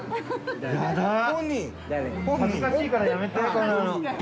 恥ずかしいからやめて。